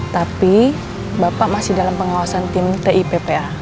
tapi bapak masih dalam pengawasan tim tippa